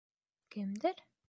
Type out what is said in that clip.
Кемдер?